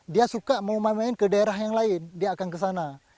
dia suka mau main main ke daerah yang lain dia akan ke sana